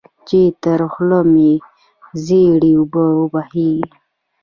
چې تر خوله مې ژېړې اوبه وبهېږي.